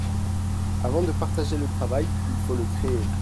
Avant de partager le travail, il faut le créer.